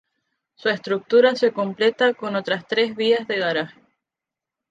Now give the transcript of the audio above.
Su estructura se completa con otras tres vías de garaje.